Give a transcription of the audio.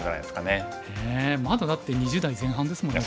ねえまだだって２０代前半ですもんね。